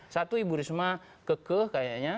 satu ibu risma kekeh kayaknya